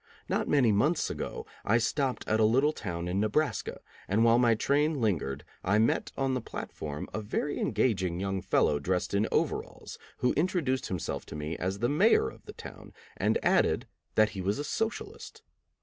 Not many months ago I stopped at a little town in Nebraska, and while my train lingered I met on the platform a very engaging young fellow dressed in overalls who introduced himself to me as the mayor of the town, and added that he was a Socialist.